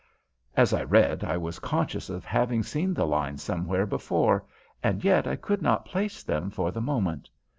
As I read I was conscious of having seen the lines somewhere before, and yet I could not place them for the moment.